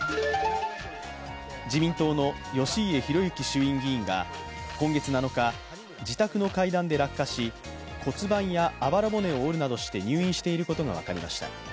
自民党の義家弘介衆院議員が今月７日、自宅の階段で落下し、骨盤やあばら骨を折るなどして入院していることが分かりました。